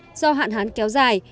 một mỡ khó khăn do hạn hán kéo dài